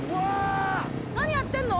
何やってんの？